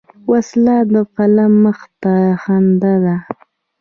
وسله د قلم مخ ته خنډ ده